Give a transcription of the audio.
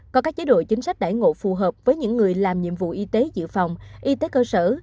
có các chế độ chính sách đải ngộ phù hợp với những người làm nhiệm vụ y tế dự phòng y tế cơ sở